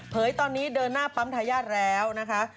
ตอนนี้เดินหน้าปั๊มทายาทแล้วนะคะ